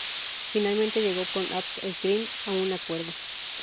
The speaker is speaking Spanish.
Finalmente llegó con Abd el-Krim a un acuerdo.